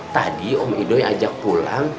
tadi om idoy ajak pulang